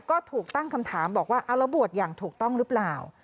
ก็ถูกตั้งคำถามบอกว่าเอาแล้วบวชอย่างถูกต้องหรือเปล่า